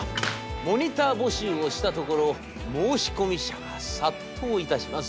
モニター募集をしたところ申し込み者が殺到いたします。